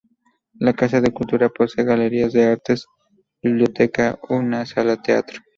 La Casa de cultura posee Galerías de artes, biblioteca, una sala teatro.